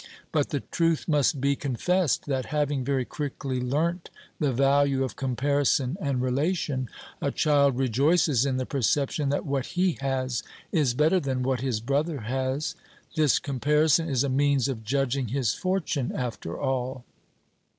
But the truth must be confessed that having very quickly learnt the value of comparison and relation, a child rejoices in the perception that what he has is better than what his brother has; this comparison is a means of judging his fortune, after all.